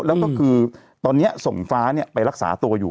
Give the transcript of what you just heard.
แล้วก็คือตอนนี้ส่งฟ้าไปรักษาตัวอยู่